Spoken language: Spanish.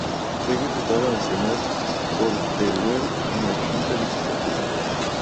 Fue diputada nacional por Teruel en la V Legislatura.